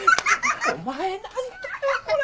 お前何だよこれ。